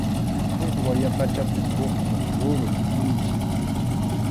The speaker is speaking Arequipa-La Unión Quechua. Huk wayaqachapi puquq rurum inchik.